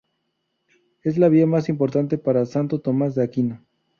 Es la vía más importante para Santo Tomás de Aquino.